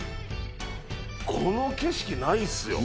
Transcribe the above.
この景色ないっすよ。